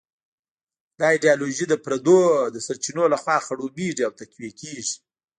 دا ایډیالوژي د پردو د سرچینو لخوا خړوبېږي او تقویه کېږي.